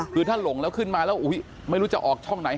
คือถ้าหลงแล้วขึ้นมาแล้วไม่รู้จะออกช่องไหน